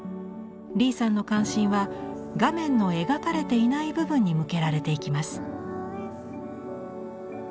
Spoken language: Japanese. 李さんの関心は画面の描かれていない部分に向けられていきます。